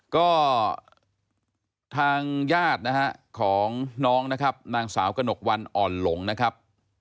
ก็ทางญาตินะฮะของน้องนะครับนางสาวกระหนกวันอ่อนหลงนะครับ